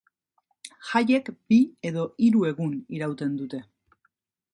Jaiek bi edo hiru egun irauten dute.